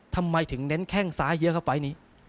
ทำไมถึงเน้นแข้งซ้ายเยอะเข้าไปนี้